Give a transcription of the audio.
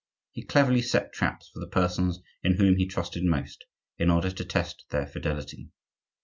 He cleverly set traps for the persons in whom he trusted most, in order to test their fidelity.